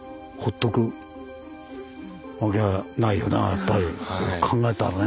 やっぱりよく考えたらね。